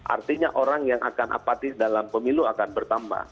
artinya orang yang akan apatis dalam pemilu akan bertambah